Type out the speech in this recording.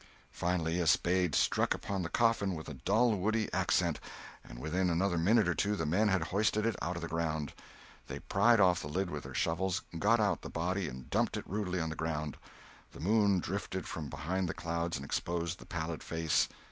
Finally a spade struck upon the coffin with a dull woody accent, and within another minute or two the men had hoisted it out on the ground. They pried off the lid with their shovels, got out the body and dumped it rudely on the ground. The moon drifted from behind the clouds and exposed the pallid face.